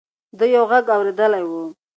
ده یو غږ اورېدلی و.